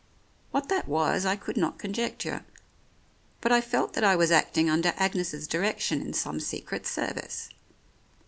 What that was I could not conjecture, but I felt that I was acting under Agnes's direction in some Secret Service.